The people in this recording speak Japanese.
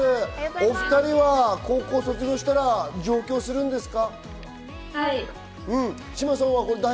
２人は高校卒業したら上京するんですか？